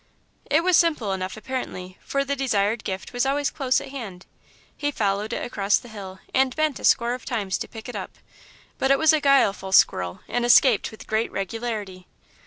It was simple enough, apparently, for the desired gift was always close at hand. He followed it across the hill, and bent a score of times to pick it up, but it was a guileful squirrel and escaped with great regularity.